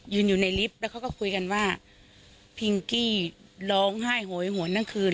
อยู่ในลิฟต์แล้วเขาก็คุยกันว่าพิงกี้ร้องไห้โหยหวนทั้งคืน